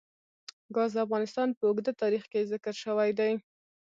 ګاز د افغانستان په اوږده تاریخ کې ذکر شوی دی.